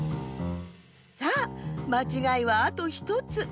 さあまちがいはあと１つ。